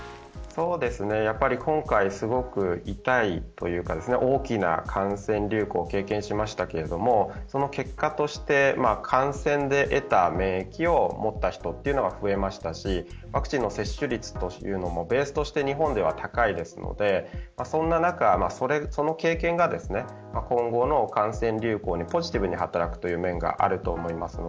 今回すごく痛いというか大きな感染流行を経験しましたがその結果として感染で得た免疫を持った人というのが増えましたしワクチンの接種率もベースとして日本では高いですのでそんな中、その経験が今後の感染流行にポジティブに働く面があると思います。